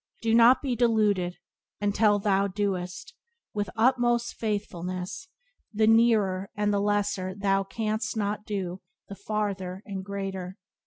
Do not be deluded; until thou doest, with utmost faithfulness, the nearer and the lesser thou canst not do the farther and greater.